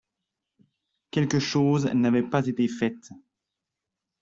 Quelques choses n’avaient pas été faites.